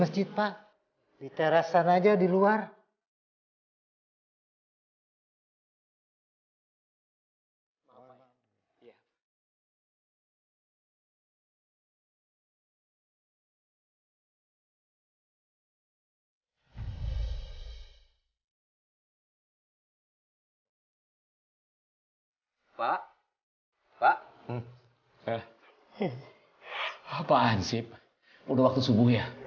silahkan diambil lagi hp nya